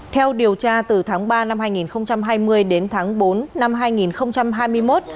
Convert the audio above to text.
theo điều tra từ tháng ba năm hai nghìn hai mươi đến tháng bốn năm hai nghìn hai mươi một